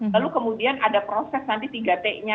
lalu kemudian ada proses nanti tiga t nya